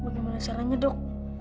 bagaimana caranya dok